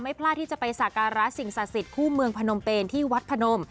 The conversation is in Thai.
พลาดที่จะไปสักการะสิ่งศักดิ์สิทธิ์คู่เมืองพนมเปนที่วัดพนม